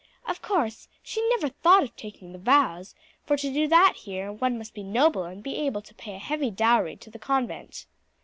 Of course she never thought of taking the vows, for to do that here one must be noble and be able to pay a heavy dowry to the convent.